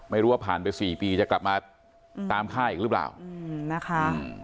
ไม่รู้ว่าผ่านไป๔ปีจะกลับมาตามฆ่าอีกหรือเปล่านะคะ